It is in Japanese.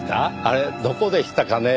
あれどこでしたかね？